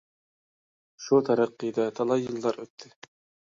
شۇ تەرىقىدە تالاي يىللار ئۆتتى.